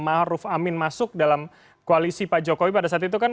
maruf amin masuk dalam koalisi pak jokowi pada saat itu kan